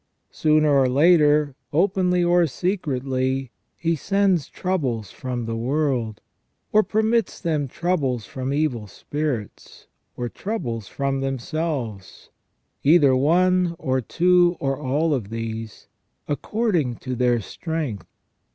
Sooner or later, openly or secretly. He sends troubles from the world, or permits them troubles from evil spirits, or troubles from themselves, either one, or two, or all of these, according to their strength.